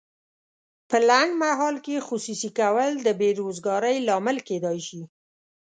په لنډمهال کې خصوصي کول د بې روزګارۍ لامل کیدای شي.